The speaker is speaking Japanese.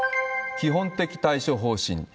基本的対処方針。